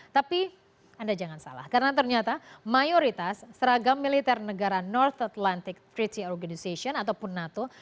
tapi anda jangan salah karena ternyata mayoritas seragam militer negara north atlantic treaty organization ataupun nato